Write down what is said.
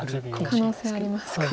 可能性ありますか。